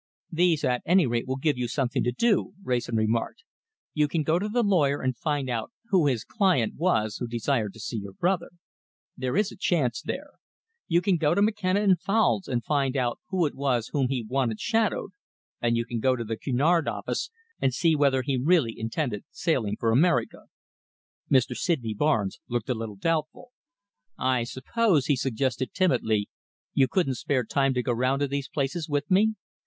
"These, at any rate, will give you something to do," Wrayson remarked. "You can go to the lawyer and find out who his client was who desired to see your brother. There is a chance there! You can go to McKenna & Foulds and find out who it was whom he wanted shadowed, and you can go to the Cunard office and see whether he really intended sailing for America." Mr. Sydney Barnes looked a little doubtful. "I suppose," he suggested timidly, "you couldn't spare the time to go round to these places with me?